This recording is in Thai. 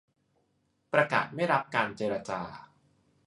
ประกาศไม่รับการเจรจา